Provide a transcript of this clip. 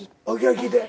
聞いて。